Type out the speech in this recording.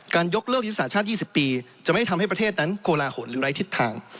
ยกเลิกยุทธศาสตร์ชาติ๒๐ปีจะไม่ทำให้ประเทศนั้นโกลาหลหรือไร้ทิศทาง